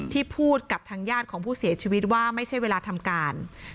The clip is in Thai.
ที่พูดกับทางญาติของผู้เสียชีวิตว่าไม่ใช่เวลาทำการ